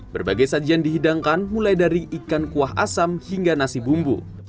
berbagai sajian dihidangkan mulai dari ikan kuah asam hingga nasi bumbu